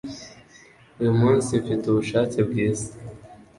Uyu munsi, mfite ubushake bwiza